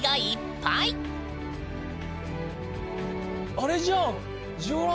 あれじゃん。